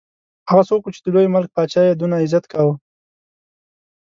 هغه څوک وو چې د لوی ملک پاچا یې دونه عزت کاوه.